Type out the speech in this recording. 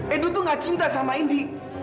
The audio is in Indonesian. edo tuh gak cinta sama indi